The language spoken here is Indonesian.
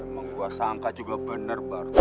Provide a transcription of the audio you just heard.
emang gue sangka juga bener bar